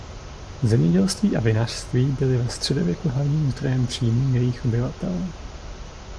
Zemědělství a vinařství byly ve středověku hlavním zdrojem příjmů jejích obyvatel.